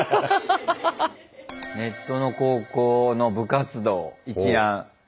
ネットの高校の部活動一覧。